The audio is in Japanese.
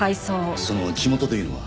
その地元というのは？